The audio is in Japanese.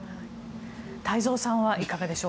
太蔵さんはいかがでしょう？